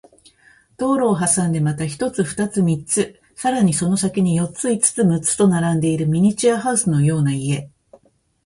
道路を挟んでまた一つ、二つ、三つ、さらにその先に四つ、五つ、六つと並んでいるミニチュアハウスのような家